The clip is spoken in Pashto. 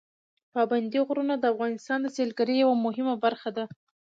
پابندي غرونه د افغانستان د سیلګرۍ یوه مهمه برخه ده.